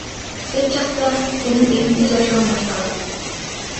Чет жакта сенин экинчи жашооң башталат.